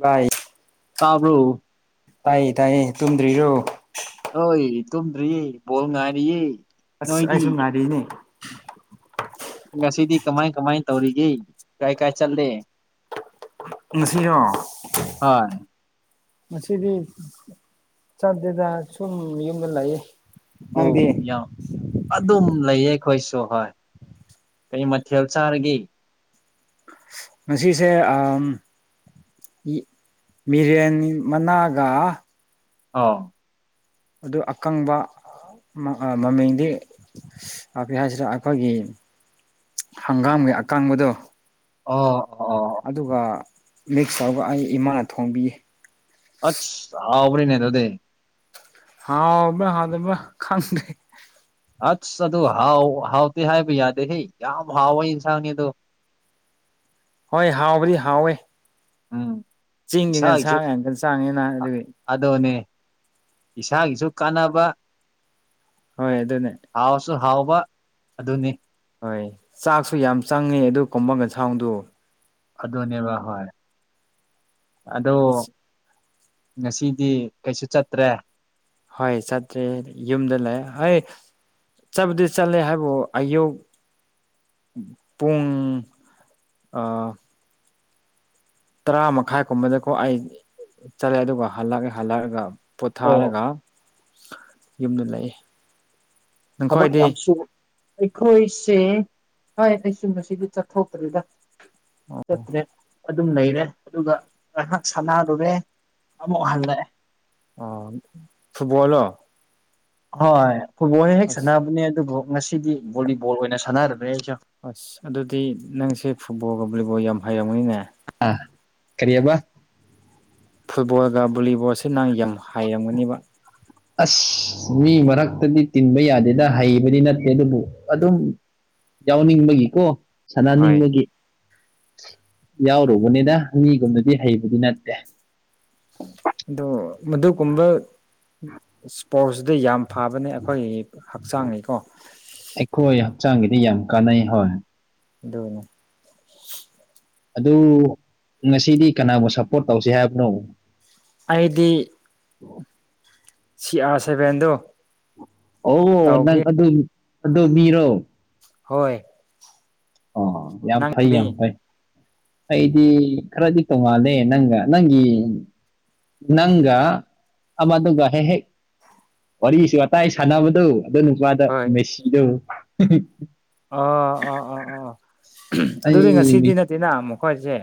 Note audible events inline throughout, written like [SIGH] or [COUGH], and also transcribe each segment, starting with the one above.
ꯚꯏ ꯇꯥꯕ꯭ꯔꯣ ꯇꯥꯏꯌꯦ ꯇꯥꯏꯌꯦ ꯇꯨꯝꯗ꯭ꯔꯤꯔꯣ꯫ ꯑꯣꯏ ꯇꯨꯗ꯭ꯔꯤꯌꯦ ꯕꯣꯜ ꯉꯥꯏꯔꯤꯌꯦ꯫ ꯑꯁ ꯅꯣꯏꯗꯤ ꯑꯩꯁꯨ ꯉꯅꯥꯔꯤꯅꯦ꯫ ꯉꯁꯤꯗꯤ ꯀꯃꯥꯏ ꯀꯃꯥꯏ ꯇꯧꯔꯤꯒꯦ ꯀꯥꯏ ꯀꯥꯏ ꯆꯠꯂꯦ꯫ ꯉꯁꯤꯔꯣ ꯍꯣꯏ ꯉꯁꯤꯗꯤ ꯆꯠꯇꯦꯗ ꯁꯨꯝ ꯌꯨꯝꯗ ꯂꯩꯌꯦ ꯅꯪꯗ꯫ ꯑꯣ ꯑꯗꯨꯝ ꯂꯩꯌꯦ ꯑꯈꯣꯏꯁꯨ ꯍꯣꯏ ꯀꯩ ꯃꯊꯦꯜ ꯆꯥꯔꯒꯦ꯫ ꯃꯁꯤꯁꯦ ꯑ ꯃꯤꯔꯦꯟ ꯃꯅꯥꯒ ꯑꯥꯎ ꯑꯗꯨ ꯑꯀꯪꯕ ꯃ ꯑ ꯃꯃꯤꯡꯗꯤ ꯑ ꯀꯔꯤ ꯍꯥꯏꯁꯤꯔ ꯑꯈꯣꯏꯒꯤ ꯍꯪꯒꯥꯝꯒꯤ ꯑꯀꯥꯡꯕꯗꯨ ꯑꯣ ꯑꯣ ꯑꯗꯨꯒ ꯃꯤꯛꯁ ꯇꯧꯔꯒ ꯑꯩ ꯏꯃꯥꯅ ꯊꯣꯡꯕꯤꯌꯦ꯫ ꯑꯠꯁ ꯍꯥꯎꯕꯅꯤꯅꯦ ꯑꯗꯨꯗꯤ꯫ ꯍꯥꯎꯕ꯭ꯔ ꯍꯥꯗꯕ ꯈꯪꯗꯦ꯫ ꯑꯁ ꯑꯗꯨ ꯍꯥꯎ ꯍꯥꯎꯇꯦ ꯍꯥꯏꯕ ꯌꯥꯗꯦ ꯍꯦ ꯌꯥꯝ ꯍꯥꯎꯕ ꯏꯟꯁꯥꯡꯅꯤ ꯑꯗꯨ꯫ ꯍꯣꯏ ꯍꯥꯎꯕꯗꯤ ꯍꯥꯎꯋꯦ ꯎꯝ ꯆꯤꯡꯒꯤ ꯉꯁꯥꯡ [UNINTELLIGIBLE] ꯑꯗꯨꯒꯤ ꯑꯗꯣꯅꯦ ꯏꯁꯥꯒꯤꯁꯨ ꯀꯥꯟꯅꯕ ꯍꯣꯏ ꯑꯗꯨꯅꯦ ꯍꯥꯎꯁꯨ ꯍꯥꯎꯕ ꯑꯗꯨꯅꯤ꯫ ꯍꯣꯏ ꯆꯥꯛꯁꯨ ꯌꯥꯝ ꯆꯪꯉꯦ ꯑꯗꯨ ꯀꯣꯡꯃꯒꯁꯥꯎꯗꯨ꯫ ꯑꯗꯨꯅꯦꯕ ꯍꯣꯏ ꯑꯗꯣ ꯉꯁꯤꯗꯤ ꯀꯩꯁꯨ ꯆꯠꯇ꯭ꯔꯦ꯫ ꯍꯣꯏ ꯆꯠꯇ꯭ꯔꯦ ꯌꯨꯝꯗ ꯂꯩ ꯍꯣꯏ ꯆꯠꯕꯨꯗꯤ ꯆꯠꯂꯦ ꯍꯥꯏꯕꯨ ꯑꯌꯨꯛ ꯄꯨꯡ ꯑ ꯇꯔꯥ ꯃꯈꯥꯏꯒꯨꯝꯕꯗꯀꯣ ꯑꯩ ꯆꯠꯂꯦ ꯑꯗꯨꯒ ꯍꯜꯂꯛꯑꯦ ꯍꯜꯂꯛꯑꯒ ꯑꯣ ꯄꯣꯊꯥꯔꯒ ꯌꯨꯝꯗ ꯂꯩ ꯊꯕꯛ ꯅꯪꯈ꯭ꯋꯥꯏꯗꯤ ꯌꯥꯝ ꯁꯨ ꯑꯩꯈꯣꯏꯁꯤ ꯍꯥꯏ ꯑꯩꯁꯨ ꯉꯁꯤꯗꯤ ꯆꯠꯊꯣꯛꯇ꯭ꯔꯤꯗ꯫ ꯆꯠꯇ꯭ꯔꯦ ꯑꯗꯨꯝ ꯂꯩꯔꯦ ꯑꯗꯨꯒ ꯉꯥꯏꯍꯥꯛ ꯁꯅꯥꯔꯨꯔꯦ ꯑꯃꯨꯛ ꯍꯜꯂꯛꯑꯦ꯫ ꯑꯣ ꯐꯨꯠꯕꯣꯜꯂꯣ ꯍꯣꯏ ꯐꯨꯠꯕꯣꯜ ꯍꯦꯛ ꯑꯁ ꯁꯥꯟꯅꯕꯅꯦ ꯑꯗꯨꯕꯨ ꯉꯁꯤꯗꯤ ꯕꯣꯂꯤꯕꯣꯜ ꯑꯣꯏꯅ ꯁꯥꯟꯅꯔꯕꯅꯦ ꯑꯩꯁꯨꯦ ꯑꯁ ꯑꯗꯨꯗꯤ ꯅꯪꯁꯦ ꯐꯨꯠꯕꯣꯜꯒ ꯕꯣꯂꯤꯕꯣꯜ ꯌꯝ ꯍꯩꯔꯝꯒꯅꯤꯅꯦ꯫ ꯑ ꯀꯔꯤꯕ ꯐꯨꯠꯕꯣꯜꯒ ꯕꯣꯂꯤꯕꯣꯜꯁꯦ ꯅꯪ ꯌꯥꯝ ꯍꯥꯏꯔꯝꯒꯅꯦꯕ ꯑꯁ ꯃꯤ ꯃꯔꯛꯇꯗꯤ ꯇꯤꯟꯕ ꯌꯥꯗꯦꯗ ꯍꯩꯕꯗꯤ ꯅꯠꯇꯦ ꯑꯗꯨꯕꯨ ꯑꯗꯨꯝ ꯌꯥꯎꯅꯤꯕꯒꯤ ꯀꯣ ꯍꯣꯏ ꯁꯥꯟꯅꯅꯤꯡꯕꯒꯤ ꯌꯥꯎꯔꯨꯕꯅꯤꯗ ꯃꯤꯒꯨꯝꯅꯗꯤ ꯍꯩꯕꯗꯤ ꯅꯠꯇꯦ꯫ ꯗꯣ ꯃꯗꯨꯒꯨꯝꯕ ꯏꯁꯄꯣꯔꯠꯁꯗ ꯌꯥꯝ ꯐꯕꯅꯦ ꯑꯈꯣꯏ ꯍꯛꯆꯥꯡꯒꯤꯀꯣ ꯑꯩꯈꯣꯏ ꯍꯛꯆꯥꯡꯒꯤꯗꯤ ꯌꯥꯝ ꯀꯥꯟꯅꯩ ꯍꯣꯏ꯫ ꯑꯗꯨꯅꯦ ꯑꯗꯨ ꯉꯁꯤꯗꯤ ꯀꯅꯥꯕꯨ ꯁꯞꯄꯣꯔꯠ ꯇꯧꯁꯦ ꯍꯥꯏꯕꯅꯣ꯫ ꯑꯩꯗꯤ ꯁꯤ ꯑꯥꯔ ꯁꯦꯚꯦꯟꯗꯣ ꯑꯣ ꯅꯪ ꯑꯗꯨ ꯑꯗꯨ ꯃꯤꯔꯣ ꯍꯣꯏ ꯑꯣ ꯌꯥꯝ ꯐꯩ ꯌꯥꯝ ꯅꯪꯗꯤ ꯐꯩ ꯑꯩꯗꯤ ꯈꯔꯗꯤ ꯇꯣꯡꯉꯥꯜꯂꯦ ꯅꯪꯒ ꯅꯪꯒꯤ ꯅꯪꯒ ꯃꯗꯨꯒ ꯍꯦꯛ ꯍꯦꯛ ꯋꯥꯔꯤꯁꯨ ꯋꯥꯇꯥꯏ ꯁꯥꯟꯅꯕꯗꯣ ꯑꯗꯣ ꯅꯨꯄꯥꯗ ꯍꯣꯏ ꯃꯦꯁꯤꯗꫭ ꯑꯣ ꯑꯣ ꯑꯣ ꯑꯣ ꯑꯗꯨꯗꯤ ꯑꯩ ꯉꯁꯤꯗꯤ ꯃꯤ- ꯅꯠꯇꯦꯅ ꯃꯈꯣꯏꯁꯦ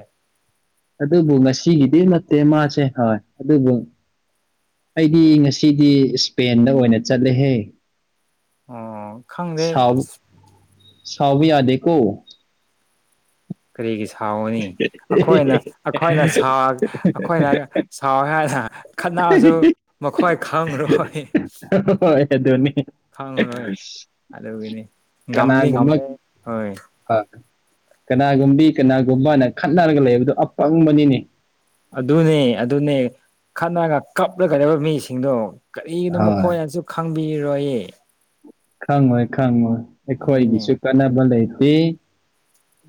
ꯑꯗꯨꯕꯨ ꯉꯁꯤꯒꯤꯗꯤ ꯅꯠꯇꯦ ꯃꯥꯁꯦ ꯍꯣꯏ ꯑꯗꯨꯕꯨ ꯑꯩꯗꯤ ꯉꯁꯤꯗꯤ ꯏꯁꯄꯦꯟꯗ ꯑꯣꯏꯅ ꯆꯠꯂꯦꯍꯦ ꯑꯣ ꯈꯪꯗꯦ ꯁꯥꯎ ꯁꯥꯎꯕ ꯌꯥꯗꯦꯀꯣ ꯀꯔꯤꯒꯤ ꯁꯥꯥꯎꯒꯅꯤ ꯑꯩꯈꯣꯏꯅ ꯑꯩꯈꯣꯏꯅ ꯁꯥꯎ ꯑꯩꯈꯣꯏꯅ ꯁꯥꯎꯋꯦ ꯍꯥꯏꯅ ꯈꯠꯅꯔꯁꯨ ꯃꯈꯣꯏ ꯈꯪꯂꯔꯣꯏ [UNINTELLIGIBLE] ꯍꯣꯏ ꯍꫭꯏ ꯑꯗꯨꯅꯤ ꯈꯪꯉꯔꫭꯏ ꯑꯗꯨꯒꯤꯅꯤ ꯉꯝꯗꯤ ꯀꯅꯥꯒꯨꯝꯕ ꯉꯝꯃꫭꯏ [UNINTELLIGIBLE] ꯀꯅꯥꯒꯨꯝꯕꯤ ꯀꯅꯥꯒꯨꯝꯕꯅ ꯈꯠꯅꯔꯒ ꯂꯩꯕꯗꯣ ꯑꯄꯪꯕꯅꯤꯅꯦ ꯑꯗꯨꯅꯦ ꯑꯗꯨꯅꯦ ꯈꯠꯅꯔꯒ ꯀꯞꯂꯒ ꯂꯩꯕ [UNINTELLIGIBLE] ꯃꯤꯁꯤꯡꯗꯣ ꯀꯔꯤꯒꯤꯅꯣ ꯍꯣꯏ ꯃꯈꯣꯏꯅꯁꯨ ꯈꯪꯕꯤꯔꯣꯏꯌꯦ ꯈꯪꯉꯣꯏ ꯈꯪꯉꯣꯏ ꯑꯩꯈꯣꯏꯒꯤꯁꯨ ꯑꯗꯨꯏꯅꯦ ꯀꯥꯟꯅꯕ ꯂꯩꯇꯦ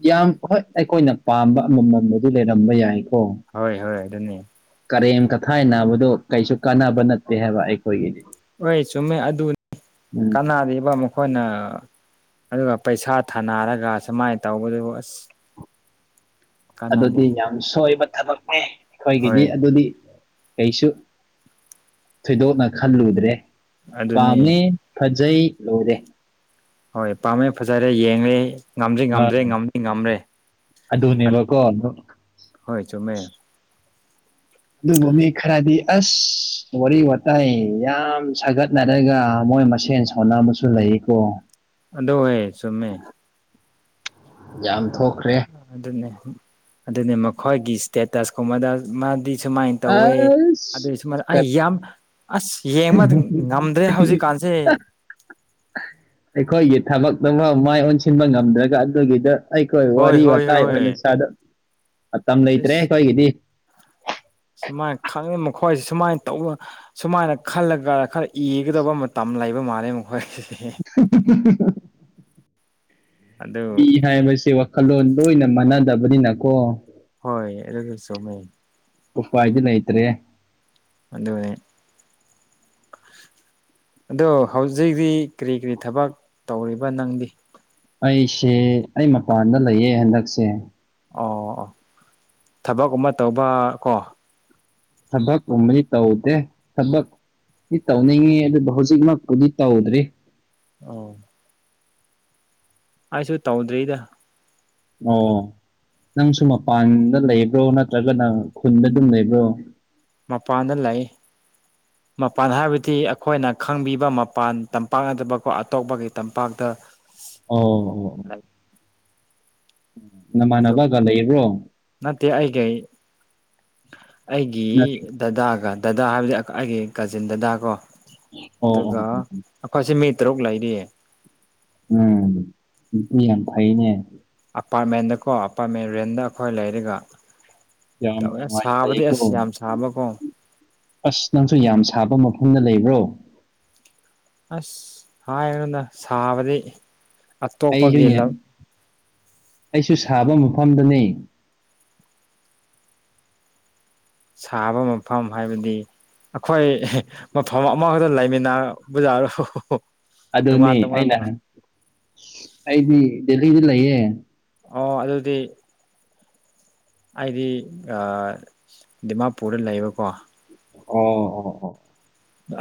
ꯌꯥꯝ ꯍꯣꯏ ꯑꯩꯈꯣꯏꯅ ꯄꯥꯝꯕ ꯑꯃꯃꯝꯕꯨꯗꯤ ꯂꯩꯔꯝꯕ ꯌꯥꯏꯀꯣ ꯍꯣꯏ ꯍꯣꯏ ꯑꯗꯨꯅ‌ꯦ ꯀꯔꯦꯝ ꯀꯊꯥꯏ ꯅꯥꯕꯗꯣ ꯀꯩꯁꯨ ꯀꯥꯟꯅꯕ ꯅꯠꯇꯦ ꯍꯥꯏꯕ ꯑꯩꯈꯣꯏꯒꯤꯗꯤ ꯍꯣꯏ ꯆꯨꯝꯃꯦ ꯑꯗꯨꯅꯤ ꯎꯝ ꯀꯅꯥꯔꯤꯕ ꯑꯃꯨꯛ ꯑꯩꯈꯣꯏꯅ ꯑꯗꯨꯒ ꯄꯩꯁꯥ ꯊꯥꯅꯔꯒ ꯁꯨꯃꯥꯏꯅ ꯇꯧꯕꯗꯨꯕꯨ ꯑꯁ ꯀꯥꯟꯅꯗꯦ ꯑꯗꯨꯗꯤ ꯌꯥꯝ ꯁꯣꯏꯕ ꯊꯕꯛꯅꯦ ꯑꯩꯈꯣꯏꯒꯤꯗꯤ ꯍꯣꯏ ꯑꯗꯨꯗꯤ ꯀꯩꯁꯨ ꯊꯣꯏꯗꯣꯛꯅ ꯈꯜꯂꯨꯗ꯭ꯔꯦ ꯑꯗꯨꯅꯤ ꯄꯥꯝꯃ‌ꯦ ꯐꯖꯩ ꯂꯣꯏꯔꯦ ꯍꯣꯏ ꯄꯥꯝꯃꯦ ꯐꯖꯔꯦ ꯌꯦꯡꯂ‌ꯦ ꯉꯝꯗ꯭ꯔꯤ ꯑ ꯉꯝꯗ꯭ꯔꯦ ꯉꯝꯗꯤ ꯉꯝ꯭ꯔꯦ ꯑꯗꯨꯅꯦꯕꯀꯣ ꯍꯣꯏ ꯆꯨꯝꯃꯦ ꯑꯗꯨꯕꯨ ꯃꯤ ꯈꯔꯗꯤ ꯑꯁ ꯋꯥꯔꯤ ꯋꯥꯇꯥꯏ ꯌꯥꯝ ꯁꯥꯒꯠꯅꯔꯒ ꯃꯣꯏ ꯃꯁꯦꯟ ꯁꯥꯎꯅꯕꯁꯨ ꯂꯩꯌꯦꯀꯣ ꯑꯗꫭ [UNINTELLIGIBLE] ꯑꯣꯏ ꯆꯨꯝꯃꯦ ꯌꯥꯝ ꯊꯣꯛꯈ꯭ꯔꯦ ꯑꯗꯨꯅꯦ ꯑꯗꯨꯅꯦ ꯃꯈꯣꯏꯒꯤ ꯏꯁꯇꯦꯇꯁꯀꯨꯝꯕꯗ ꯃꯥꯗꯤ ꯁꯨꯃꯥꯏꯅ ꯇꯧꯋꯦ ꯑꯗꯨꯏ ꯁꯨꯃ [UNINTELLIGIBLE] ꯑꯁ ꯑꯩ ꯌꯥꯝ ꯑꯁ ꯌꯦꯡꯕ ꯉꯝꯗ꯭ꯔꯦ ꯍꯧꯖꯤꯛꯀꯥꯟꯁꯦ ꯑꯩꯈꯣꯏꯒꯤ ꯊꯕꯛꯇꯐꯥꯎ ꯃꯥꯏ ꯑꯣꯟꯁꯤꯟꯕ ꯉꯝꯗ꯭ꯔꯒ ꯑꯗꯨꯒꯤꯗ ꯑꯩꯈꯣꯏ ꯍꯣꯏ ꯋꯥꯔꯤ ꯍꯣꯏ ꯍꯣꯏ ꯋꯥꯇꯥꯏ ꯍꯣꯏ ꯑꯣꯏꯅ [UNINTELLIGIBLE] ꯃꯇꯝ ꯂꯩꯇ꯭ꯔꯦ ꯑꯦꯁ ꯑꯩꯈꯣꯏꯒꯤꯗꯤ ꯁꯨꯃꯥꯏꯅ ꯈꯪꯉꯤ ꯃꯈꯣꯏ ꯁꯨꯃꯥꯏꯅ ꯇꯧꯕ ꯁꯨꯃꯥꯏꯅ ꯈꯜꯂꯒ ꯈꯔ ꯏꯒꯗꯕ ꯃꯇꯝ ꯂꯩꯕ ꯃꯥꯜꯂꯦ ꯃꯈꯣꯏꯁꯦ [UNINTELLIGIBLE] ꯃꯤ ꯑꯗꯨ ꯍꯥꯏꯕꯁꯦ ꯋꯥꯈꯜꯂꯣꯟ ꯂꯣꯏꯅ ꯃꯥꯟꯅꯗꯕꯅꯤꯅꯀꯣ ꯍꯣꯏꯖ ꯑꯗꯨꯖꯨ ꯆꯨꯝꯃꯦ ꯎꯄꯥꯏꯗꯤ ꯂꯩꯇ꯭ꯔꯦ ꯑꯗꯨꯅꯦ ꯑꯗꯣ ꯍꯧꯖꯤꯛ ꯀꯔꯤ ꯀꯔꯤ ꯊꯕꯛ ꯇꯧꯔꯤꯕ ꯅꯪꯗꯤ ꯑꯩꯁꯦ ꯑꯩ ꯃꯄꯥꯟꯗ ꯂꯩꯌꯦ ꯍꯟꯗꯛꯁꯦ ꯑꯣ ꯑꯣ ꯊꯕꯛ ꯑꯃ ꯇꯧꯕ ꯀꯣ ꯊꯕꯛꯨꯝꯕꯅꯤ ꯇꯧꯗꯦ ꯊꯕꯛ ꯇꯧꯅꯤꯡꯉꯤ ꯑꯗꯨꯗ ꯍꯧꯖꯤꯛꯃꯛꯄꯨꯗꯤ ꯇꯧꯗ꯭ꯔꯤ ꯑꯣ ꯑꯩꯁꯨ ꯇꯧꯗ꯭ꯔꯤꯗ ꯑꯣ ꯅꯪꯁꯨ ꯃꯄꯥꯟꯗ ꯂꯩꯕ꯭ꯔꯣ ꯅꯠꯇ꯭ꯔꯒ ꯅꯪ ꯈꯨꯟꯗ ꯑꯗꯨꯝ ꯂꯩꯕ꯭ꯔꯣ ꯃꯄꯥꯟꯗ ꯂꯥꯛ ꯃꯄꯥꯟ ꯍꯥꯏꯕꯗꯤ ꯑꯩꯈꯣꯏꯅ ꯈꯪꯕꯤꯕ ꯃꯄꯥꯟ ꯇꯝꯄꯥꯛ ꯅꯠꯇꯕꯀꯣ ꯑꯇꯣꯞꯄꯒꯤ ꯇꯝꯄꯥꯛꯇ ꯑꯧ ꯂꯩ ꯑꯗꯨ ꯅꯃꯥꯟꯅꯕꯒ ꯂꯩꯕ꯭ꯔꯣ ꯅꯠꯇꯦ ꯑꯩꯒ ꯑꯩꯒꯤ ꯅꯠ ꯗꯗꯥꯒ ꯗꯗꯥ ꯍꯥꯏꯕꯗꯤ ꯑꯩꯒꯤ ꯀꯥꯖꯤꯟ ꯗꯗꯥꯀꯣ ꯑꯣ ꯑꯗꯨꯒ ꯑꯣ ꯑꯣ ꯑꯩꯈꯣꯏꯁꯦ ꯃꯤ ꯇꯔꯨꯛ ꯂꯩꯔꯤꯌꯦ ꯎꯝ ꯏ ꯌꯥꯝ ꯐꯩꯅꯦ ꯑꯄꯥꯔꯠꯃꯦꯟꯗꯀꯣ ꯑꯄꯥꯔꯠꯃꯦꯟ ꯔꯦꯟꯗ ꯑꯩꯈꯣꯏ ꯂꯩꯔꯒ ꯌꯥꯝ ꯇꯧꯦ ꯑ ꯅꯨꯡꯉꯥꯏꯅ ꯁꯥꯕꯗꯤ ꯂꯩꯌꯦꯀꯣ ꯑꯁ ꯌꯥꯝ ꯁꯥꯕꯀꯣ ꯑꯁ ꯅꯪꯁꯨ ꯌꯥꯝ ꯁꯥꯕ ꯃꯐꯝꯗ ꯂꯩꯕ꯭ꯔꯣ ꯑꯁ ꯍꯥꯏꯔꯅꯣꯅ ꯁꯥꯕꯗꯤ ꯑꯩꯁꯨ ꯑꯇꯣꯞꯄꯒꯤ ꯂꯝ ꯑꯩꯁꯨ ꯁꯥꯕ ꯃꯐꯝꯗꯅꯤ ꯁꯥꯕ ꯃꯐꯝ ꯍꯥꯏꯕꯗꯤ ꯑꯩꯈꯣꯏ ꯃꯐꯝ ꯑꯃꯈꯛꯇ ꯂꯩꯃꯤꯟꯅꯕꯖꯥꯔꯣ ꯑꯗꯨꯅꯦ ꯇꯣꯉꯥꯟ ꯑꯩꯅ ꯇꯣꯉꯥꯟꯕ ꯑꯩꯗꯤ ꯗꯦꯜꯂꯤꯗ ꯂꯩꯌꯦ ꯑꯣ ꯑꯗꯨꯗꯤ ꯑꯩꯗꯤ ꯗꯤꯃꯥꯄꯨꯔꯗ ꯂꯩꯕꯀꯣ ꯑꯣ ꯑꯣ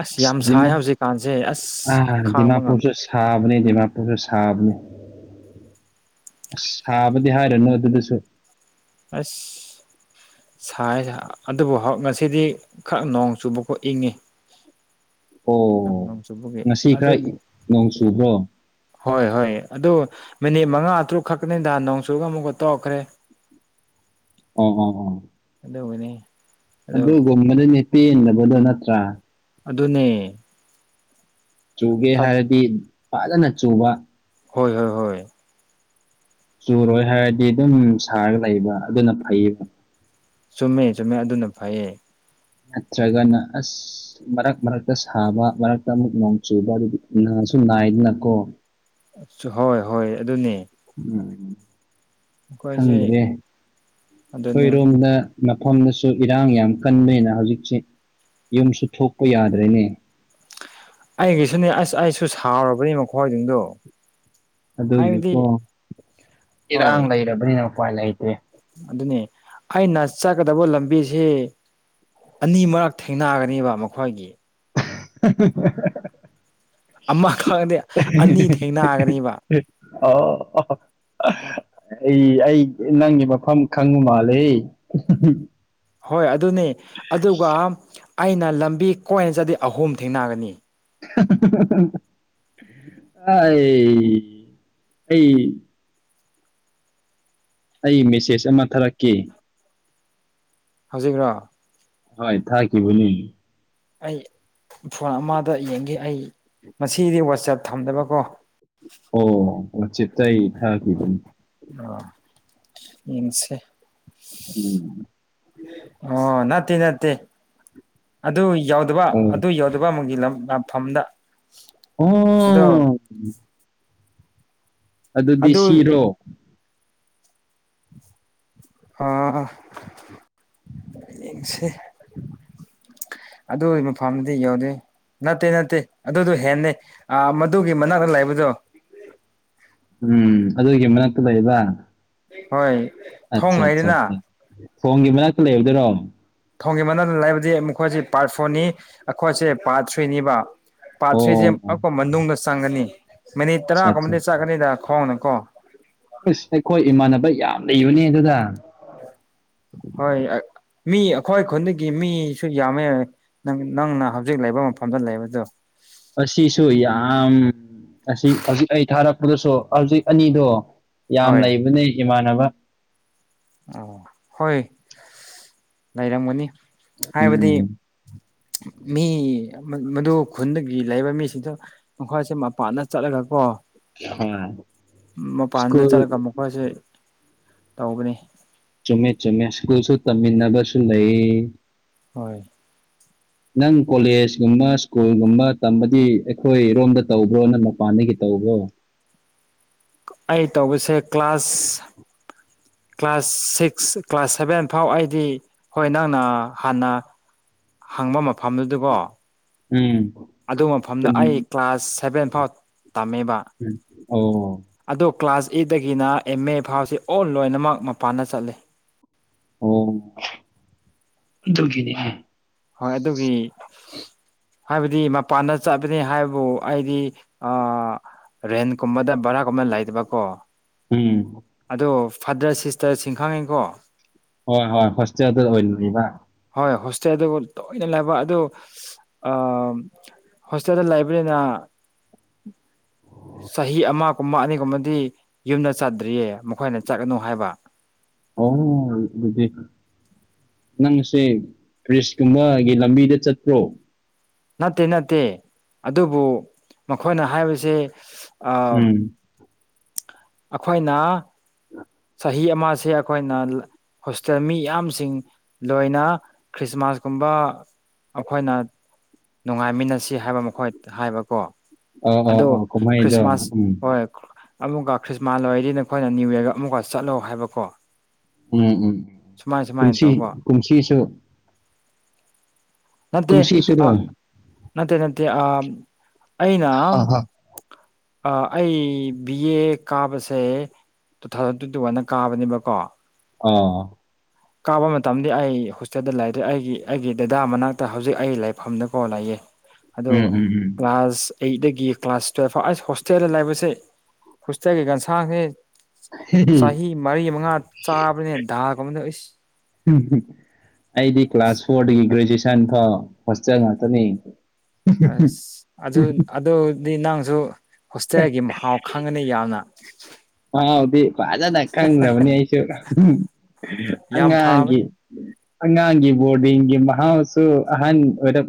ꯑꯁ ꯌꯥꯝ ꯁꯥꯏ ꯍꯧꯖꯤꯛꯀꯥꯟꯁꯦ ꯑꯁ ꯑꯣꯥ ꯑ ꯃꯥ ꯈꯥꯡꯕ ꯉꯝ ꯄꯨꯁꯁ ꯁꯥꯕꯅꯤ ꯄꯁꯨ ꯁꯥꯕꯅꯤ ꯑꯁ ꯁꯥꯕꯗꯤ ꯍꯥꯏꯔꯅꯨ ꯑꯗꯨꯗꯁꯨ ꯑꯁ ꯁꯥꯏꯖ ꯑꯗꯨꯕꯨ ꯉꯁꯤꯗꯤ ꯈꯔ ꯅꯣꯡ ꯆꯨꯕꯈꯣ ꯏꯪꯉꯤ ꯑꯣ ꯅꯣꯡ ꯆꯨꯕꯒꯤ ꯉꯁꯤ ꯈꯔ ꯑꯗꯨꯕꯨ ꯅꯣꯡ ꯆꯨꯕ꯭ꯔꯣ ꯍꯣꯏ ꯍꯣꯏ ꯑꯗꯨ ꯃꯤꯅꯤꯠ ꯃꯉꯥ ꯇꯔꯨꯛ ꯈꯛꯛꯇꯅꯤꯗ ꯅꯣꯡꯆꯨꯒ ꯑꯃꯨꯛꯀ ꯇꯧꯔꯛꯈ꯭ꯔꯦ [UNINTELLIGIBLE] ꯑꯣ ꯑꯣꯣ ꯑꯣ ꯧꯕꯅꯦ ꯑꯗꯨꯒꯨꯝꯕꯗꯨꯅꯦ ꯄꯦꯟꯗꯕꯗꯣ ꯅꯠꯇ꯭ꯔꯥ ꯑꯗꯨꯅꯦ ꯆꯨꯒꯦ ꯍꯥꯏꯔꯗꯤ ꯐꯖꯅ ꯆꯨꯕ ꯍꯣꯏ ꯍꯣꯏ ꯍꯣꯏ ꯆꯨꯔꯣꯏ ꯍꯥꯏꯔꯗꯤ ꯑꯗꯨꯝ ꯁꯥꯔꯒ ꯂꯩꯕ ꯑꯗꯨꯅ ꯐꯩꯌꯦꯕ ꯆꯨꯝꯃꯦ ꯆꯨꯝꯃꯦ ꯑꯗꯨꯅ ꯐꯩꯌꯦ ꯅꯠꯇ꯭ꯔꯒꯅ ꯑꯁ ꯃꯔꯛ ꯃꯔꯛꯇ ꯁꯥꯕ ꯃꯔꯛꯇ ꯑꯃꯨꯛ ꯅꯣꯡ ꯆꯨꯕ ꯑꯗꯨꯗꯤ ꯅꯥꯁꯨ ꯅꯥꯏꯗꯅꯀꯣ ꯍꯣꯏ ꯍꯣꯏ ꯑꯗꯨꯅꯦ ꯎꯝ ꯑꯩꯈꯣꯏꯁꯦ ꯈꯪꯗ꯭ꯔꯦ ꯑꯗꯨꯅꯦ ꯑꯩꯈꯣꯏꯔꯣꯝꯗ ꯃꯐꯝꯗꯁꯨ ꯏꯔꯥꯡ ꯌꯥꯝ ꯀꯟꯕꯅꯤꯅ ꯍꯧꯖꯤꯛꯁꯦ ꯌꯨꯝꯁꯨ ꯊꯣꯛꯄ ꯌꯥꯗ꯭ꯔꯦꯅꯦ ꯑꯩꯒꯤꯁꯨꯅꯦ ꯑꯁ ꯑꯩꯁꯨ ꯁꯥꯎꯔꯕꯅꯤ ꯃꯈꯣꯏꯖꯤꯡꯗꯣ ꯑꯗꯨꯒꯤꯀꯣ ꯏꯔꯥꯡ ꯍꯣꯏ ꯂꯩꯔꯕꯅꯤꯅ ꯎꯄꯥꯏ ꯂꯩꯇꯦ ꯑꯗꯨꯅꯦ ꯑꯩꯅ ꯆꯠꯀꯗꯕ ꯂꯝꯕꯤꯁꯤ ꯑꯅꯤ ꯃꯔꯛ ꯊꯦꯡꯅꯒꯅꯦꯕ ꯃꯈꯣꯏꯒꯤ [UNINTELLIGIBLE] ꯑꯃ ꯈꯪꯉꯗꯤ ꯑꯅꯤ ꯊꯦꯡꯅꯒꯅꯤꯕ [UNINTELLIGIBLE] ꯑ ꯑꯩ ꯑꯩ ꯅꯪꯒꯤ ꯃꯐꯝ ꯈꯪꯕ ꯃꯥꯜꯂꯦ ꯍꯣꯏ ꯑꯗꯨꯅꯤ ꯑꯗꯨꯒ ꯑꯩꯅ ꯂꯝꯕꯤ ꯀꯣꯏꯅ ꯆꯠꯗꯤ ꯑꯍꯨꯝ ꯊꯦꯡꯅꯒꯅꯤ [UNINTELLIGIBLE] ꯑꯩ ꯃꯦꯁꯦꯖ ꯑꯃ ꯊꯥꯔꯛꯀꯦ ꯍꯧꯖꯤꯛꯔꯣ ꯍꯣꯏ ꯊꯥꯈꯤꯕꯅꯤ ꯑꯩ ꯐꯣꯟ ꯑꯃꯗ ꯌꯦꯡꯒꯦ ꯑꯩ ꯉꯁꯤꯗꯤ ꯋꯥꯆꯞ ꯊꯝꯗꯕꯀꯣ ꯑꯣ ꯋꯥꯆꯦꯞꯇ ꯑꯩ ꯊꯥꯈꯤꯕꯅꯤ ꯑ ꯌꯦꯡꯁꯦ ꯎꯝ ꯑꯣ ꯅꯠꯇꯦ ꯅꯠꯇꯦ ꯑꯗꯨ ꯌꯣꯠ ꯗꯕ ꯑꯣ ꯑꯗꯨ ꯌꯧꯗꯕ ꯑꯃꯒꯤ ꯂꯝ ꯂꯥꯟꯐꯝꯗ ꯑꯣ ꯑꯗꯣ ꯑꯗꯨꯗꯤ ꯑꯗꯨ ꯁꯤꯔꯣ ꯑ ꯌꯦꯡꯁꯦ ꯑꯗꯣ ꯑꯩ ꯃꯐꯝꯗꯨꯗꯤ ꯌꯧꯗꯦ ꯅꯠꯇꯦ ꯅꯠꯇꯦ ꯑꯗꯨꯗꯣ ꯍꯦꯟꯅꯦ ꯑ ꯃꯗꯨꯒꯤ ꯃꯅꯥꯛꯇ ꯂꯩꯥꯕꯗꯣ ꯎꯝ ꯑꯗꯨꯒꯤ ꯃꯅꯥꯛꯇ ꯂꯩꯕ ꯍꯣꯏ ꯑꯠꯆꯥ ꯆꯥ ꯊꯣꯡꯉꯩꯗꯅ ꯆꯥ ꯊꯣꯡꯒꯤ ꯃꯅꯥꯛꯇ ꯂꯩꯕꯗꯨꯔꯣ ꯊꯣꯡꯒꯤ ꯃꯅꯥꯛꯇ ꯂꯩꯕꯗꯤ ꯃꯈꯣꯏꯁꯦ ꯄꯥꯔꯠ ꯐꯣꯔꯅꯤ ꯑꯈꯣꯏꯁꯦ ꯄꯥꯔꯠ ꯊ꯭ꯔꯤꯅꯤꯕ ꯄꯥꯔꯠ ꯊ꯭ꯔꯤꯁꯦ ꯑꯣ ꯑꯛꯄ ꯃꯅꯨꯡꯗ ꯆꯪꯒꯅꯤ ꯃꯤꯅꯤꯠ ꯑꯠꯆꯥ ꯑꯠꯆꯥ ꯇꯔꯥꯒꯨꯝꯕꯗꯤ ꯆꯥꯒꯅꯤꯗ ꯈꯣꯡꯅ ꯀꯣ ꯑꯁ ꯑꯩꯈꯣꯏ ꯏꯃꯥꯟꯅꯕ ꯌꯥꯝ ꯂꯩꯕꯅꯦ ꯑꯗꯨꯗ ꯍꯣꯏ ꯑꯛ ꯃꯤ ꯑꯈꯣꯏ ꯈꯨꯟꯗꯒꯤ ꯃꯤꯁꯨ ꯌꯥꯝꯃꯦ ꯅꯪꯅ ꯍꯧꯖꯤꯛ ꯂꯩꯕ ꯃꯐꯝꯗ ꯂꯩꯕꯗꯣ ꯑꯁꯤꯁꯨ ꯌꯥꯝ ꯑꯁꯤ ꯍꯧꯖꯤꯛ ꯑꯩ ꯊꯥꯔꯛꯄꯗꯁꯨ ꯍꯧꯖꯤꯛ ꯑꯅꯤꯗꯣ ꯌꯥꯝ ꯍꯣꯏ ꯂꯩꯕꯅꯦ ꯏꯃꯥꯟꯅꯕ ꯑ ꯍꯣꯏ ꯂꯩꯔꯝꯒꯅꯤ ꯍꯥꯏꯕꯗꯤ ꯎꯝ ꯃꯤ ꯃꯠ ꯃꯗꯨ ꯈꯨꯟꯗꯒꯤ ꯂꯩꯕ ꯃꯤꯁꯤꯡꯗꯣ ꯃꯈꯣꯏꯁꯦ ꯃꯄꯥꯟꯗ ꯆꯠꯂꯒ ꯀꯣ ꯍꯣꯏ ꯃꯄꯥꯟꯗ ꯁ꯭ꯀꯨꯜ ꯆꯠꯂꯒ ꯃꯈꯣꯏꯁꯦ ꯇꯧꯕꯅꯤ ꯆꯨꯝꯃꯦ ꯆꯨꯝꯃꯦ ꯁ꯭ꯀꯨꯜꯁꯨ ꯇꯝꯃꯤꯟꯅꯕꯁꯨ ꯂꯩꯌꯦ ꯍꯣꯏ ꯅꯪ ꯀꯣꯂꯦꯖꯀꯨꯝꯕ ꯁ꯭ꯀꯨꯜꯒꯨꯝꯕ ꯇꯝꯕꯗꯤ ꯑꯩꯈꯣꯏꯔꯣꯝꯗ ꯇꯧꯕ꯭ꯔꯣ ꯅꯪ ꯃꯄꯥꯟꯗꯒꯤ ꯇꯧꯕ꯭ꯔꯣ ꯑꯩ ꯇꯧꯕꯁꯦ class class six class seven ꯐꯥꯎ ꯑꯩꯗꯤ ꯍꯣꯏ ꯅꯪꯅ ꯍꯥꯟꯅ ꯍꯪꯕ ꯃꯐꯝꯗꯨꯗꯀꯣ ꯎꯝ ꯑꯗꯨ ꯃꯐꯝꯗ ꯈꯨꯟ ꯑꯩ ꯀ꯭ꯂꯥꯁ ꯁꯦꯚꯦꯟ ꯐꯥꯎ ꯇꯝꯃꯦꯕ ꯎꯝ ꯑꯣ ꯑꯗꯣ ꯀ꯭ꯂꯥꯁ ꯑꯦꯠꯇꯒꯤꯅ ꯑꯦꯝ ꯑꯦ ꯐꯥꯎꯁꯦ ꯑꯣꯜ ꯂꯣꯏꯅꯃꯛ ꯃꯄꯥꯟꯗ ꯆꯠꯂꯦ ꯑꯣ ꯑꯗꯨꯒꯤꯅꯤ ꯍꯣꯏ ꯑꯗꯨꯒꯤ ꯍꯥꯏꯕꯗꯤ ꯃꯄꯥꯟꯗ ꯆꯠꯀꯅꯤ ꯍꯥꯏꯕꯕꯨ ꯑꯩꯗꯤ ꯑ ꯔꯦꯟ ꯀꯨꯝꯕꯗ ꯕꯔꯥꯒꯨꯝꯕ ꯂꯩꯇꯕꯀꯣ ꯎꯝ ꯑꯗꯣ ꯐꯥꯗꯔ ꯁꯤꯁꯇꯔꯁꯤꯡ ꯈꯥꯪꯉꯦꯀꯣ꯫ ꯍꯣꯏ ꯍꯣꯏ ꯍꯣꯁꯇꯦꯜꯗ ꯑꯣꯏꯅ ꯂꯩꯕ꯫ ꯍꯣꯏ ꯍꯣꯁꯇꯦꯜ ꯗꯕꯨ ꯇꯣꯏꯅ ꯂꯩꯕ ꯑꯗꯨ ꯑ ꯍꯣꯁꯇꯦꯜꯗ ꯂꯩꯕ꯭ꯅꯤꯅ ꯆꯍꯤ ꯑꯃꯒꯨꯝꯕ ꯑꯅꯤꯒꯨꯝꯕꯗꯤ ꯌꯨꯝꯗ ꯆꯠꯇ꯭ꯔꯤꯌꯦ ꯃꯈꯣꯏꯅ ꯆꯠꯀꯅꯨ ꯍꯥꯏꯕ ꯑꯣ ꯑꯗꯨꯗꯤ꯫ ꯅꯪꯁꯦ ꯐ꯭ꯔꯤꯁꯀꯨꯝꯕꯒꯤ ꯂꯝꯕꯤꯗ ꯆꯠꯇ꯭ꯔꯣ ꯅꯠꯇꯦ ꯅꯠꯇꯦ ꯑꯗꯨꯕꯨ ꯃꯈꯣꯏꯅ ꯍꯥꯏꯕꯁꯦ ꯑꯥ ꯎꯝ ꯑꯩꯈꯣꯏꯅ ꯆꯍꯤ ꯑꯃ ꯁꯦ ꯑꯩꯈꯣꯏꯅ ꯍꯣꯁꯇꯦꯜ ꯃꯤ ꯌꯥꯝꯌꯥꯝꯁꯤꯡ ꯂꯣꯏꯅ ꯈ꯭ꯔꯤꯁꯃꯥꯁꯀꯨꯝꯕ ꯑꯩꯈꯣꯏꯅ ꯅꯨꯡꯉꯥꯏꯃꯤꯟꯅꯁꯤ ꯍꯥꯏꯕ ꯃꯈꯣꯏ ꯍꯥꯏꯕꯀꯣ꯫ ꯑꯥ ꯑꯥ ꯑꯗꯣ ꯑꯥ ꯀꯨꯝꯍꯩꯗꯣ ꯈ꯭ꯔꯤꯁꯃꯥꯁ ꯎꯝ ꯍꯣꯏ ꯑꯃꯨꯛꯀ ꯈ꯭ꯔꯤꯁꯃꯥꯁ ꯂꯣꯏꯔꯗꯤ ꯅꯈꯣꯏꯅ ꯅꯅꯤꯌꯨ ꯌꯔꯒ ꯑꯃꯨꯛꯀ ꯆꯠꯂꯣ ꯍꯥꯏꯕꯀꯣ꯫ ꯎꯝ ꯎꯝ ꯁꯨꯃꯥꯏ ꯁꯨꯃꯥꯏꯅ ꯀꯨꯝꯁꯤ ꯇꯧꯕ ꯄꯨꯨꯝꯁꯤꯁꯨ ꯅꯠꯇꯦ ꯑ ꯀꯨꯝꯁꯤꯁꯨꯔꯣ ꯅꯠꯇꯦ ꯅꯠꯇꯦ ꯑ ꯑꯩꯅ ꯑꯥ ꯍꯥ ꯑꯩ ꯕꯤ ꯑꯦ ꯀꯥꯕꯁꯦ ꯇꯨ ꯊꯥꯎꯖꯟ ꯇ꯭ꯋꯦꯟꯇꯤ ꯋꯥꯟꯗ ꯀꯥꯕꯅꯦꯕꯀꯣ ꯑꯣ ꯀꯥꯞꯕ ꯃꯇꯝꯗꯤ ꯑꯩ ꯍꯣꯁꯇꯦꯜꯗ ꯂꯩꯔꯦ ꯑꯩꯒꯤ ꯑꯩꯒꯤ ꯗꯦꯗꯥ ꯃꯅꯥꯛꯇ ꯍꯧꯖꯤꯛ ꯑꯩ ꯂꯩꯐꯝꯗ ꯀꯣ ꯂꯩꯌꯦ꯫ ꯑꯗꯣ ꯎꯝ ꯎꯝ ꯎꯝ ꯀ꯭ꯂꯥꯁ ꯑꯩꯗꯒꯤ ꯀ꯭ꯂꯥꯁ ꯇꯨꯌꯦꯦꯜꯞ ꯐꯥꯎ ꯑꯁ ꯍꯣꯁꯇꯦꯜꯗ ꯂꯩꯕꯁꯦ ꯍꯣꯁꯇꯦꯜꯒꯤ ꯒꯟꯁꯥꯡꯁꯦ꯫ ꯆꯍꯤ ꯃꯔꯤ ꯃꯉꯥ ꯆꯥꯕꯅꯦ ꯥꯒꯨꯝꯕꯁ ꯑꯩꯗꯤ ꯀ꯭ꯂꯥꯁ ꯐꯣꯔꯗꯒꯤ ꯒ꯭ꯔꯦꯖꯨꯌꯦꯁꯟ ꯐꯥꯎ ꯍꯣꯁꯇꯦꯜ ꯉꯥꯛꯇꯅꯤ꯫ ꯑꯁ ꯑꯗꯨ ꯑꯗꯨꯗꯤ ꯅꯪꯁꯨ ꯍꯣꯁꯇꯦꯜꯒꯤ ꯃꯍꯥꯎ ꯈꯪꯉꯅꯤ ꯌꯥꯝꯅ ꯃꯍꯥꯎꯗꯤ ꯐꯖꯅ ꯈꯪꯈ꯭ꯔꯕꯅꯤ ꯑꯩꯁꯨ ꯌꯥꯝ ꯑꯉꯥꯡꯒꯤ꯫ ꯐꯥꯕꯅꯤ ꯑꯉꯥꯡꯒꯤ ꯕꯣꯔꯗꯤꯡꯒꯤ ꯃꯍꯥꯎꯁꯨ ꯑꯍꯟ ꯑꯣꯏꯔꯞ